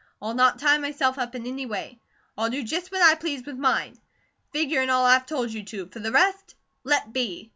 I'll not tie myself up in any way. I'll do just what I please with mine. Figure in all I've told you to; for the rest let be!"